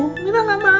aminah lama banget